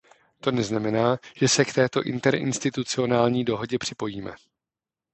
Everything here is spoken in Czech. To neznamená, že se k této interinstitucionální dohodě připojíme.